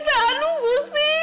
tahan nunggu sih